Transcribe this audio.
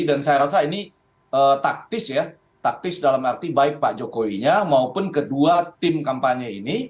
dan saya rasa ini taktis ya taktis dalam arti baik pak jokowinya maupun kedua tim kampanye ini